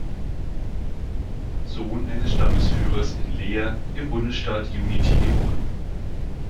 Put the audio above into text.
Sohn eines Stammesführers in Leer im Bundesstaat Unity geboren.